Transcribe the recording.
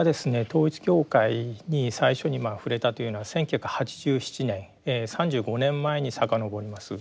統一教会に最初に触れたというのは１９８７年３５年前に遡ります。